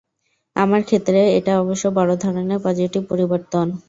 আমার ক্ষেত্রে এটা অবশ্য বড় ধরণের পজিটিভ পরিবর্তন।